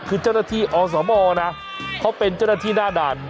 คือเจ้าหน้าที่อสมนะเขาเป็นเจ้าหน้าที่หน้าด่าน